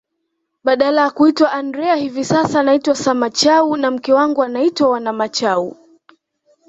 Badala ya kuitwa Andrea hivi sasa naitwa Samachau na mke wangu anaitwa Wanamachau